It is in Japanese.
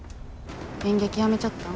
演劇やめちゃったん？